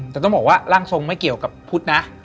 แต่ต้องบอกว่าร่างทรงไม่เกี่ยวกับพุทธนะ